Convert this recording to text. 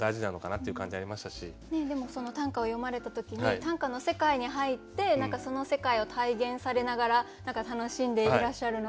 でも短歌を読まれた時に短歌の世界に入ってその世界を体現されながら楽しんでいらっしゃるのかななんて思って。